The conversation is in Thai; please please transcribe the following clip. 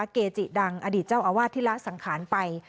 เกจิดังอดีตเจ้าอาวาสที่ละสังขารไป